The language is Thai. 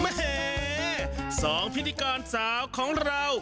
แหมสองพิธีกรสาวของเรา